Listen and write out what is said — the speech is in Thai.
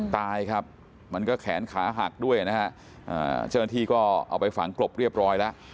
ตายครับมันก็แขนขาหักด้วยนะฮะเจ้าหน้าที่ก็เอาไปฝังกลบเรียบร้อยแล้ว